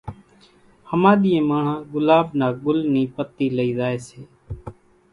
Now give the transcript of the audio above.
ۿماۮيئين ماڻۿان ڳلاٻ نا ڳُل نِي پتِي لئِي زائي سي،